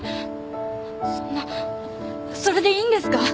そんなそれでいいんですか？